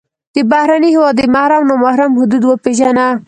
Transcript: د بهرني هېواد د محرم او نا محرم حدود وپېژنه.